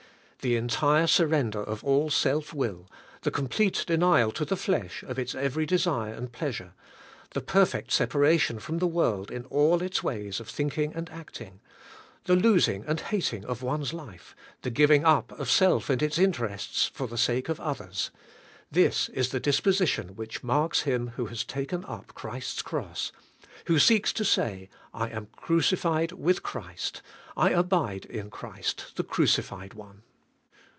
The entire surrender of all self will, the complete denial to the flesh of its every desire and pleasure, the perfect separation from the world in all its ways of thinking and acting, the losing and hating of one's life, the giving up of self and its interests for the sake of others, — this is the disposition which marks him who has taken up Christ's Cross, who seeks to say, *I am crucified with Christ; I abide in Christ, the Crucified One.